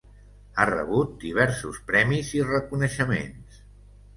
Ha rebut diversos premis i reconeixements.